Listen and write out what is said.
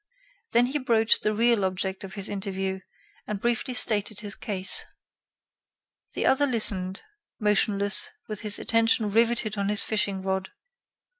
Then he broached the real object of his interview, and briefly stated his case. The other listened, motionless, with his attention riveted on his fishing rod.